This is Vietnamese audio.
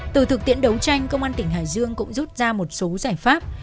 từ thực tiễn đấu tranh công an tỉnh hải dương cũng rút ra một số giải pháp